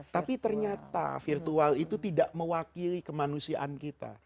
tapi ternyata virtual itu tidak mewakili kemanusiaan kita